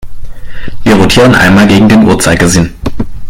Wir rotieren einmal gegen den Uhrzeigersinn.